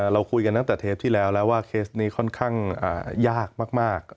เราคุยกันตั้งแต่เทปที่แล้วแล้วว่าเคสนี้ค่อนข้างยากมาก